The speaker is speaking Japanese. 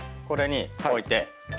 これに置いて。